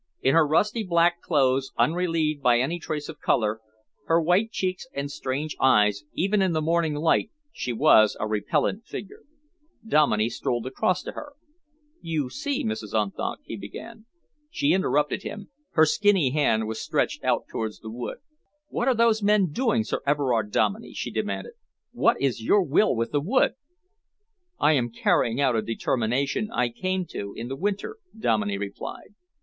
In her rusty black clothes, unrelieved by any trace of colour, her white cheeks and strange eyes, even in the morning light she was a repellent figure. Dominey strolled across to her. "You see, Mrs. Unthank," he began She interrupted him. Her skinny hand was stretched out towards the wood. "What are those men doing, Sir Everard Dominey?" she demanded. "What is your will with the wood?" "I am carrying out a determination I came to in the winter," Dominey replied.